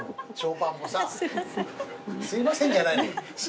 「すいません」じゃないのよ。